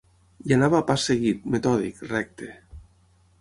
Hi anava a pas seguit, metòdic, recte